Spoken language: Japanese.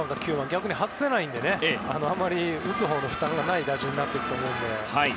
逆に外せないので打つほうの負担がない打順になっていくと思うので。